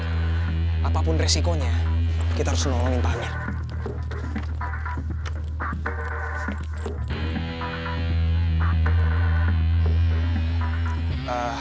apapun resikonya kita harus nolongin pamer